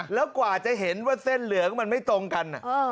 แล้วกว่าจะเห็นว่าเส้นเหลืองมันไม่ตรงกัน